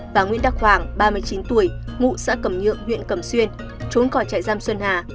và nguyễn đắc hoàng ba mươi chín tuổi ngụ xã cầm nhượng huyện cẩm xuyên trốn khỏi trại giam xuân hà